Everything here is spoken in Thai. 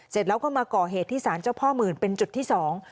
เสร็จแล้วก็มาก่อเหตุที่สารเจ้าพ่อหมื่นเป็นจุดที่สอง